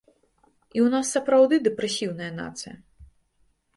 І ў нас сапраўды дэпрэсіўная нацыя.